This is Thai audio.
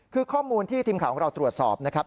คือข้อมูลที่ทีมข่าวของเราตรวจสอบนะครับ